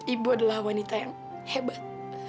ibu adalah wanita yang hebat